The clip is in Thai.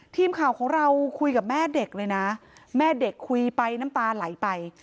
ทีมข่าวของเราคุยกับแม่เด็กเลยนะแม่เด็กคุยไปน้ำตาไหลไป